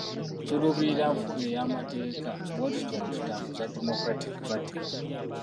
Tuluubirira nfuga ey'amateeka, bwetutyo bwe tutambuza Democratic Party